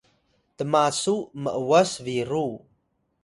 tmasu m’was biru